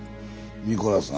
ニコラさん